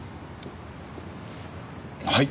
はい。